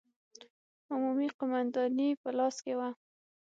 عمومي قومانداني په لاس کې وه.